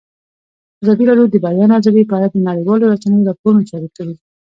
ازادي راډیو د د بیان آزادي په اړه د نړیوالو رسنیو راپورونه شریک کړي.